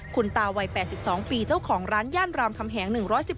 คุณตาวัย๘๒ปีเจ้าของร้านย่านรามคำแหง๑๑๒